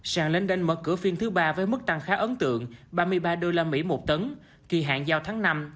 sàn linh đênh mở cửa phiên thứ ba với mức tăng khá ấn tượng ba mươi ba usd một tấn kỳ hạn giao tháng năm